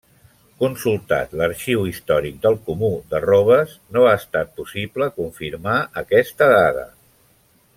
Consultat l'Arxiu Històric del Comú de Robes no ha estat possible confirmar aquesta dada.